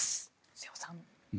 瀬尾さん。